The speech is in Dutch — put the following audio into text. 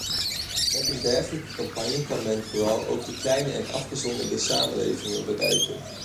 Met een dergelijke campagne kan men vooral ook de kleine en afgezonderde samenlevingen bereiken.